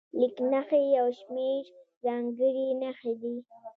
لیک نښې یو شمېر ځانګړې نښې دي.